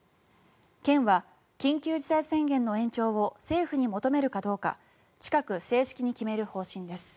県は緊急事態宣言の延長を政府に求めるかどうか近く正式に決める方針です。